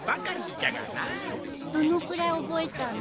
どのくらい覚えたの？